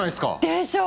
でしょ？